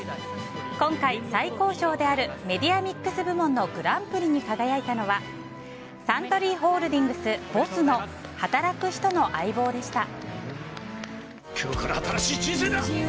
今回、最高賞であるメディアミックス部門のグランプリに輝いたのはサントリーホールディングスＢＯＳＳの「働く人の相棒」でした。